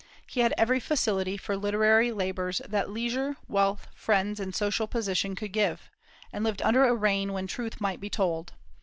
He had every facility for literary labors that leisure, wealth, friends, and social position could give, and lived under a reign when truth might be told.